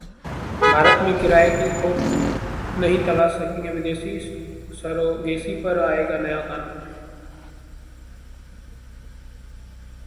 भारत में 'किराए की कोख' नहीं तलाश सकेंगे विदेशी, सरोगेसी पर आएगा नया कानून